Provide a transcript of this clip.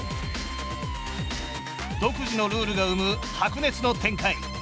独自のルールが生む白熱の展開。